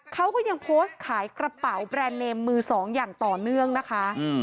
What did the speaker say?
เขาก็ยังโพสต์ขายกระเป๋าแบรนด์เนมมือสองอย่างต่อเนื่องนะคะ